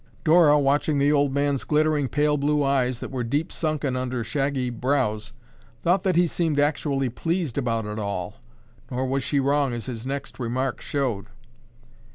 Dora, watching the old man's glittering, pale blue eyes that were deep sunken under shaggy brows, thought that he seemed actually pleased about it all, nor was she wrong as his next remark showed.